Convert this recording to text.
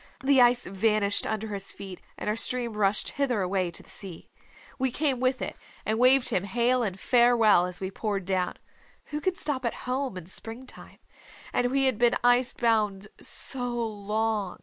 The ice vanished under his feet, and our stream rushed hither away to the sea. We came with it, and waved him hail and farewell as we poured down. Who can stop at home in spring time? And we had been ice bound so long!"